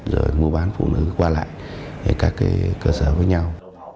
rồi mua bán phụ nữ qua lại các cơ sở với nhau